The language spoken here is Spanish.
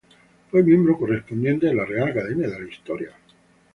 Fue miembro correspondiente de la Real Academia de la Historia.